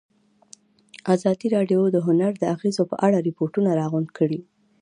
ازادي راډیو د هنر د اغېزو په اړه ریپوټونه راغونډ کړي.